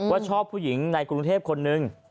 ว่าชอบผู้หญิงในกรุงเทพคนนึง